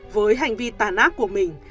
với hành vi tàn ác của mình